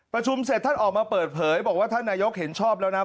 ประชุมเสร็จท่านออกมาเปิดเผยบอกว่าท่านนายกเห็นชอบแล้วนะ